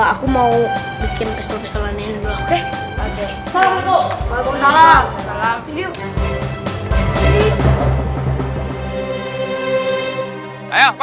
aku mau bikin pistol pistol lainnya dulu oke